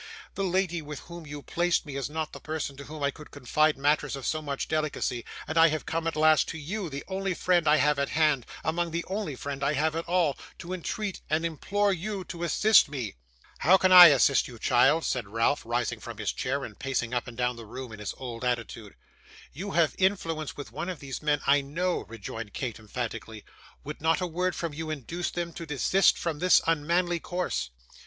The lady with whom you placed me, is not the person to whom I could confide matters of so much delicacy, and I have come at last to you, the only friend I have at hand almost the only friend I have at all to entreat and implore you to assist me.' 'How can I assist you, child?' said Ralph, rising from his chair, and pacing up and down the room in his old attitude. 'You have influence with one of these men, I KNOW,' rejoined Kate, emphatically. 'Would not a word from you induce them to desist from this unmanly course?